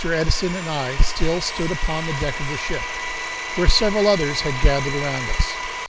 Edison and I still stood upon the deck of the ship, where several others had gathered around us.